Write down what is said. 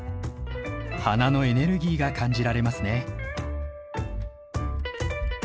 花のエネルギーが感じられますね。